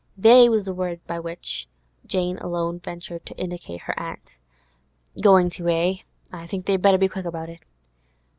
'They' was the word by which alone Jane ventured to indicate her aunt. 'Going to, eh? I think they'd better be quick about it.